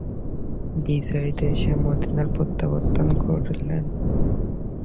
বিজয়ী বেশে মদিনায় প্রত্যাবর্তন করলেন।